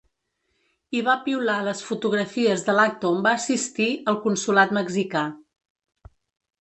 I va piular les fotografies de l’acte on va assistir, al consolat mexicà.